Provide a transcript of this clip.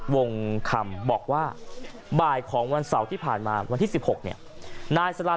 วงคำบอกว่าบ่ายของวันเสาร์ที่ผ่านมาวันที่๑๖เนี่ยนายสลัน